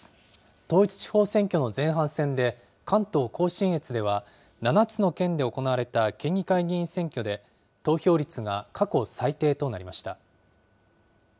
統一地方選挙の前半戦で関東甲信越では７つの県で行われた県議会議員選挙で、投票率が過去最低となりました。